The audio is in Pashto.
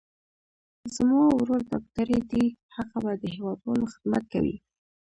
زما ورور ډاکټر دي، هغه به د هېوادوالو خدمت کوي.